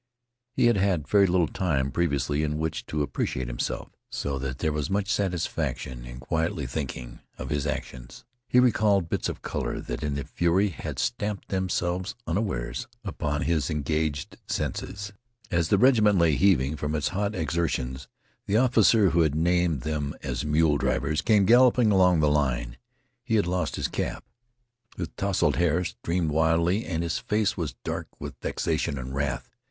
He had had very little time previously in which to appreciate himself, so that there was now much satisfaction in quietly thinking of his actions. He recalled bits of color that in the flurry had stamped themselves unawares upon his engaged senses. As the regiment lay heaving from its hot exertions the officer who had named them as mule drivers came galloping along the line. He had lost his cap. His tousled hair streamed wildly, and his face was dark with vexation and wrath.